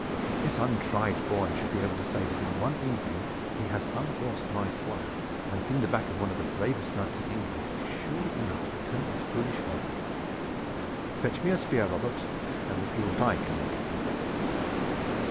"That this untried boy should be able to say that in one evening he has unhorsed my Squire, and seen the back of one of the bravest knights in England is surely enough to turn his foolish head. Fetch me a spear, Robert! I will see what I can make of him."